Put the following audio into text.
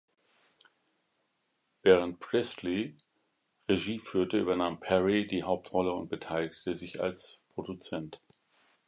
Während Priestley Regie führte, übernahm Perry die Hauptrolle und beteiligte sich als Produzent.